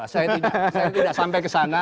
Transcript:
saya tidak sampai kesana